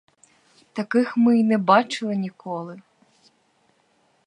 Таких ми й не бачили ніколи.